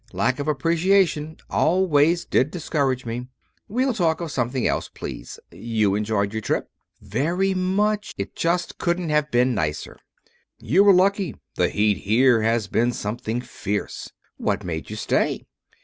Lack of appreciation always did discourage me. We'll talk of something else, please. You enjoyed your trip?" "Very much. It just couldn't have been nicer!" "You were lucky. The heat here has been something fierce!" "What made you stay?"